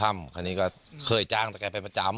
อันนี้ค่ะเคยจ้างแต่แค่ไปประจำ